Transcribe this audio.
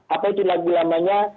apa itu lagu lamanya